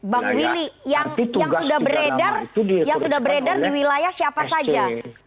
bang willy yang sudah beredar di wilayah siapa saja